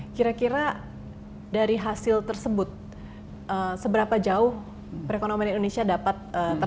kira kira dari hasil tersebut seberapa jauh perekonomian indonesia dapat tertolong nih pak